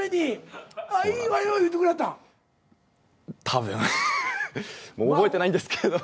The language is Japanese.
たぶん。覚えてないんですけど。